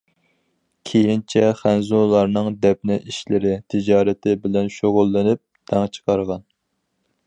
كېيىنچە خەنزۇلارنىڭ دەپنە ئىشلىرى تىجارىتى بىلەن شۇغۇللىنىپ داڭ چىقارغان.